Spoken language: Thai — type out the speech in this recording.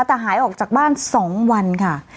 แต่หายออกจากบ้าน๒วันค่ะ